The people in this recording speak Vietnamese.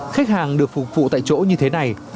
khách hàng được phục vụ tại chỗ như thế này